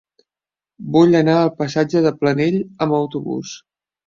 Vull anar al passatge de Planell amb autobús.